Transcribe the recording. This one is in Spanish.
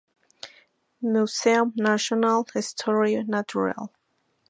Museum Nacional d’Histoire Naturelle.